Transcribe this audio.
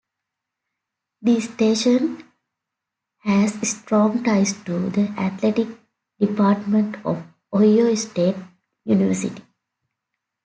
The station has strong ties to the athletic department of Ohio State University.